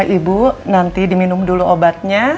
ibu nanti diminum dulu obatnya